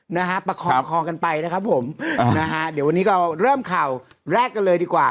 นะฮะประคองคอกันไปนะครับผมนะฮะเดี๋ยววันนี้เราเริ่มข่าวแรกกันเลยดีกว่า